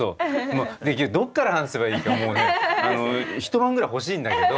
どっから話せばいいかもうね一晩ぐらい欲しいんだけど。